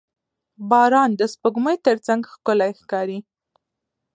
• باران د سپوږمۍ تر څنګ ښکلی ښکاري.